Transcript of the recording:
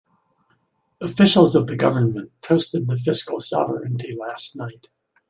Officials of the government toasted the fiscal sovereignty last night.